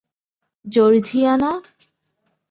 Georgia, না!